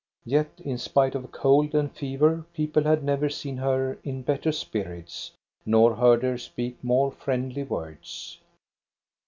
Yet, in spite of cold and fever, people had never seen her in better spirits nor heard her speak more friendly words.